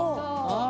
あ。